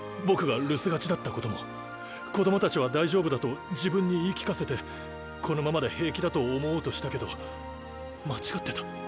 僕が留守がちだったことも子供たちは大丈夫だと自分に言い聞かせてこのままで平気だと思おうとしたけど間違ってた。